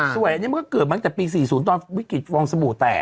ส่วนอันนี้มันก็เกิดมาตั้งแต่ปี๔๐ตอนวิกฤตฟองสบู่แตก